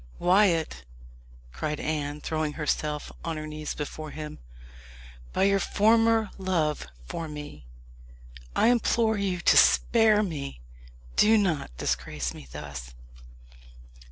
"Wyat," cried Anne, throwing herself on her knees before him, "by your former love for me, I implore you to spare me! Do not disgrace me thus."